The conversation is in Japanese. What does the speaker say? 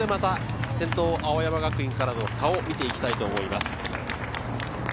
ここでまた先頭、青山学院からの差を見ていきたいと思います。